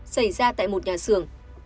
xảy ra tại một nhà xưởng